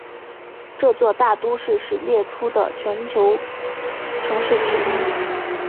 这座大都市是列出的全球城市之一。